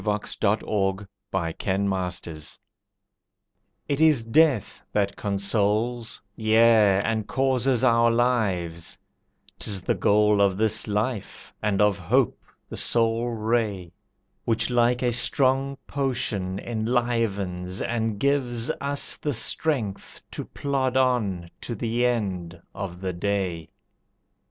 The Death of the Poor It is Death that consoles yea, and causes our lives; 'Tis the goal of this Life and of Hope the sole ray, Which like a strong potion enlivens and gives Us the strength to plod on to the end of the day.